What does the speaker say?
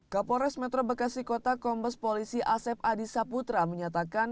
kapolres metro bekasi kota kombes polisi asep adi saputra menyatakan